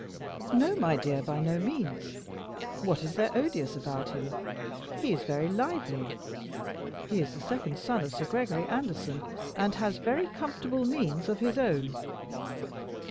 "No, my dear, by no means. What is there odious about him? He is very lively; he is the second son of Sir Gregory Anderson, and has very comfortable means of his own."